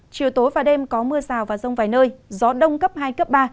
chiều tối và đêm có mưa rào và rông vài nơi gió đông cấp hai cấp ba